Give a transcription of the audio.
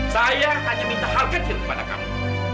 saya hanya minta hal kecil kepada kamu